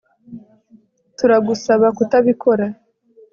Turagusaba kutabikora